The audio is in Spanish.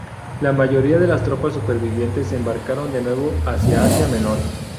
La mayoría de las tropas supervivientes se embarcaron de nuevo hacia Asia Menor.